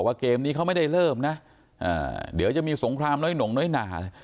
แล้วก็ตบหน้าเขียวช้ำมา